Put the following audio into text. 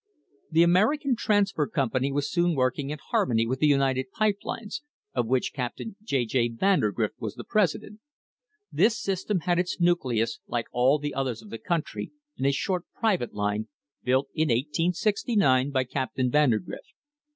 The American Transfer Company was soon working in harmony with the United Pipe Lines, of which Captain J. J. Vandergrift was the president. This system had its nucleus, like all the others of the country, in a short private line, built in 1869 by Captain Vandergrift.